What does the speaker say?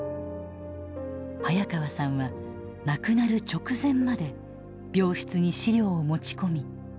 早川さんは亡くなる直前まで病室に資料を持ち込み準備を進めていました。